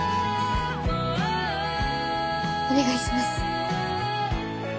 お願いします